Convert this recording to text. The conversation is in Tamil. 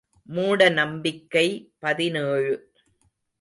மூட நம்பிக்கை பதினேழு .